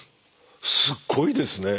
すっごいですね。